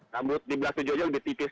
rambut di belakang tujuh aja lebih tipis